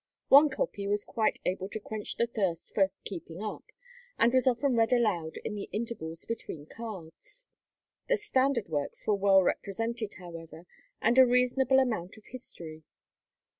One copy was quite able to quench the thirst for "keeping up," and was often read aloud in the intervals between cards. The standard works were well represented, however, and a reasonable amount of history.